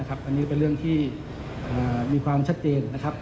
อันนี้เป็นเรื่องที่มีความชัดเจนนะครับ